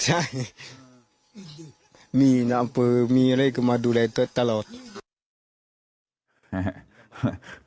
ใช่ครับ